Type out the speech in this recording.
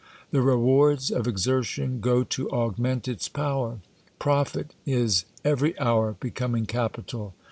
The rewards of exertion go to augment its power. Profit is every hour becoming capital.